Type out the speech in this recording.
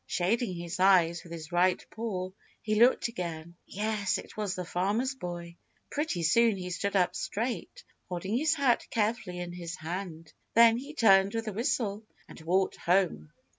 Shading his eyes with his right paw, he looked again. Yes, it was the Farmer's Boy. Pretty soon he stood up straight, holding his hat carefully in his hand. Then he turned with a whistle and walked home.